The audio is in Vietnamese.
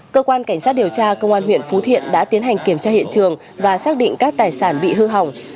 cơ quan cảnh sát điều tra công an huyện phú thiện đã tiến hành kiểm tra hiện trường và xác định các tài sản bị hư hỏng